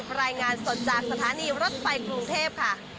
รายงานสดจากสถานีรถไฟกรุงเทพค่ะ